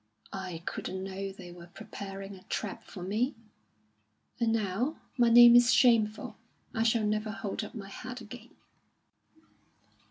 I couldn't know they were preparing a trap for me. And now my name is shameful. I shall never hold up my head again."